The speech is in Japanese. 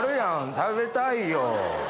食べたいよ。